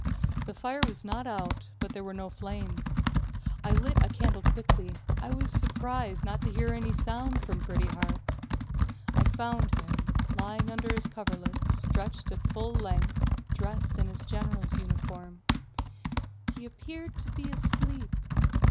The fire was not out, but there were no flames. I lit a candle quickly. I was surprised not to hear any sound from Pretty Heart. I found him, lying under his coverlets, stretched out his full length, dressed in his general's uniform. He appeared to be asleep.